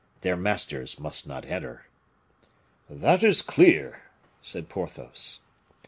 Their masters must not enter." "That is clear," said Porthos.